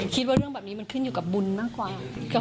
คิดว่าเรื่องแบบนี้มันขึ้นอยู่กับบุญมากกว่า